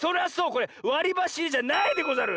これわりばしいれじゃないでござる！